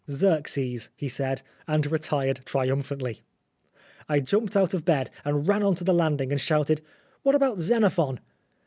''Xerxes," he said, and retired triumph antly. I jumped out of bed and ran on to the landing and shouted, " What about Xenophon